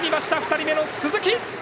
２人目の鈴木。